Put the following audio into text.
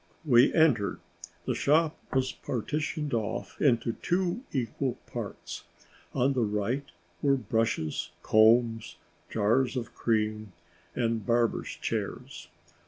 We entered. The shop was partitioned off into two equal parts. On the right were brushes, combs, jars of cream, and barbers' chairs.